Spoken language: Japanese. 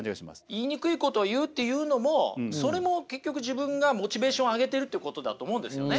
言いにくいことを言うっていうのもそれも結局自分がモチベーションを上げているってことだと思うんですよね。